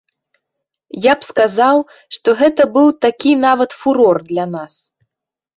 Я б сказаў, што гэта быў такі нават фурор для нас.